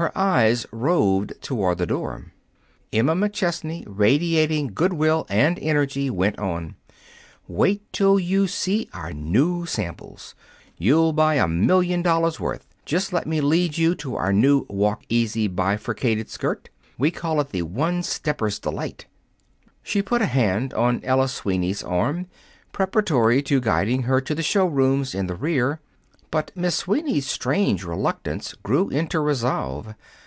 Her eyes roved toward the door. Emma McChesney, radiating good will and energy, went on: "Wait till you see our new samples! You'll buy a million dollars' worth. Just let me lead you to our new Walk Easy bifurcated skirt. We call it the 'one stepper's delight.'" She put a hand on Ella Sweeney's arm, preparatory to guiding her to the showrooms in the rear. But Miss Sweeney's strange reluctance grew into resolve.